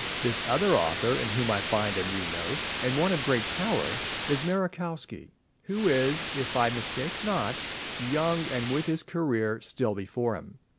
This other author, in whom I find a new note, and one of great power, is Merejkowski, who is, if I mistake not, young and with his career still before him.